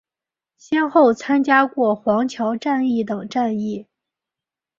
先后参加过黄桥战役等战役。